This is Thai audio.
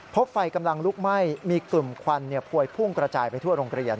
พบไฟกำลังลุกไหม้มีกลุ่มควันพวยพุ่งกระจายไปทั่วโรงเรียน